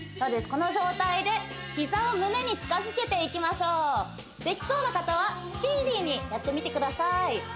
この状態で膝を胸に近づけていきましょうできそうな方はスピーディーにやってみてください